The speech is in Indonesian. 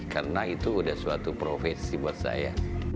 karena itu udah suatu profesi buat saya